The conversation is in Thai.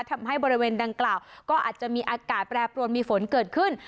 ทำให้บริเวณดังกล่าวก็อาจจะมีอากาศแปรปรวนมีฝนเกิดขึ้น